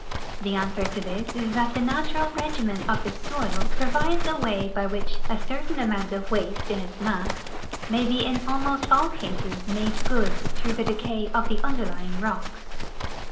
The answer to this is that the natural regimen of the soil provides a way by which a certain amount of waste in its mass may be in almost all cases made good through the decay of the underlying rocks.